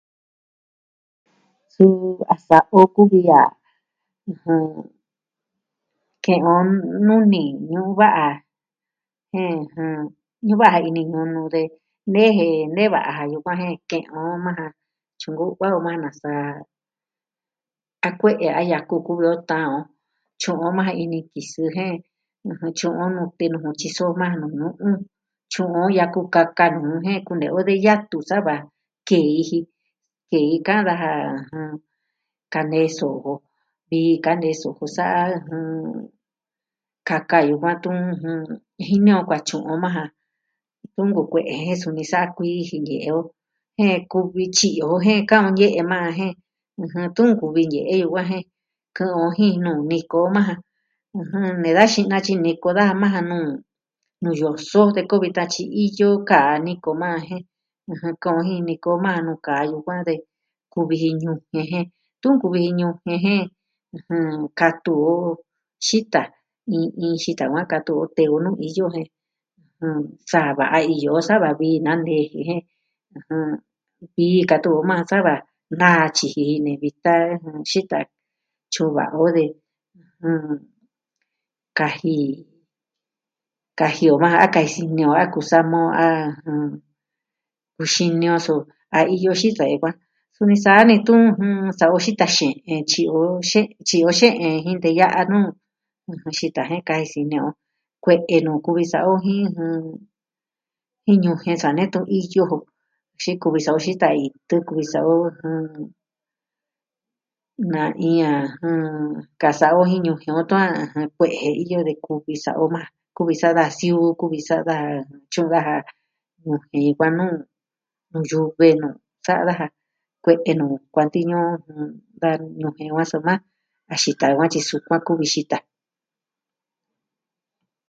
Su, a sa'o kuvi ya'a, ɨjɨn... ke'on nuni ñuva'a jen ɨjɨn ñuva'a ja ini ñuñu de nee je nee va'a yukuan je ke'on maa ja maa tyunko o va nasa a kue'e a yaku kuvi o ta'an on tyu'un maa ja ini kisɨ jen ɨjɨn tyu'un nute ɨjɨn... tyiso maa ja nu ñu'u, tyu'un o yaku kaka nuu ñujien kunee o de yatu sava kei ji kei kaan daja ɨjɨn... ka nee soko vi ka nee suku saa... kaka yukuan tuun jɨn... jin ñu'on kuaa tyu'un o maa ja. . Nku kue'e jen suni sa kuii jin ñɨ'ɨ o jen kuvi tyiyo'o jen ka'o ñɨ'ɨ maa jen... ɨjɨn tu nkuvi ñɨ'ɨ va je kɨ'ɨn o ji'i nuu niko o maa ja. ɨjɨn Nee da xi natyi niko daja maa ja nuu... nuu yoso de kuvi tatyi tyi iyo kaa niko maa jen, ɨjɨn kɨ'ɨn jɨ niko maa nuu kaa yukuan de kuvi ji ñu'un ñe'e je tu nkuvi ñu'un ñe'e jen ɨjɨn katu o xita, iin iin xita va katu o xita tee o nuu iyo jen sa va'a iyo o sava vii nantee je... iin katu o sava naa tyiji ini vi tan... xita tyu'un va'o de ɨjɨn... kaji... kaji o maa a kaji sini o a kusama o a kuxini o su, a iyo xita yukuan. Kuni sa'a ni tɨɨn jɨn... sa'a o xita xe'en tyi o xe... tyi o xe'en jin teya'a nuu xita je kaji sini o. Kue'e nu kuvi sa'ao jijɨ... jin ñujien sa netu iyo jo xi kuvi sa'o xita iin tu kuvi sa'o na i... ɨjɨn... ka sa'a o jin ñujien o tu a kue'e iyo vi kuvi sa'o maa ja kuvi sa'a da siuu kuvi sa'a da... tyu'un daja ñujien kua nuu... nuu yu've nuu sa'a daja kue'e nu kuantiñu da ñujien o soma a xita va tyi sukuan kuvi xita.